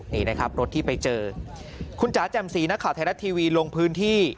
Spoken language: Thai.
นี่นะครับรถที่ไปเจอคุณจ๋าแจ่มสีนักข่าวไทยรัฐทีวีลงพื้นที่